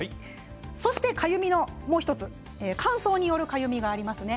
そして、かゆみのもう１つ乾燥によるかゆみがありますね。